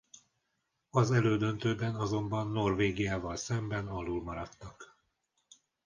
Az elődöntőben azonban Norvégiával szemben alulmaradtak.